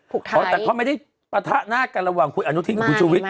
ผูกไทยอ๋อแต่เขาไม่ได้ปะทะหน้ากันระหว่างคุยอนุทิตย์กับคุณชุวิต